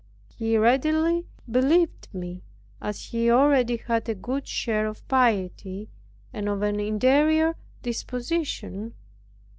He readily believed me, as he already had a good share of piety, and of an interior disposition.